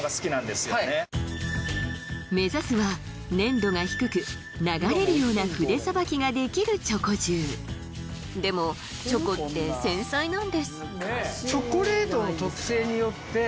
はい目指すは粘度が低く流れるような筆さばきができるチョコ汁でもチョコって繊細なんです